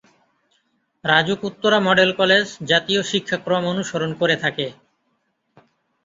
RAJUK Uttara model college জাতীয় শিক্ষাক্রম অনুসরণ করে থাকে।